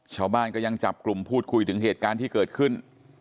ชาวบ้านก็ยังจับกลุ่มพูดคุยถึงเหตุการณ์ที่เกิดขึ้น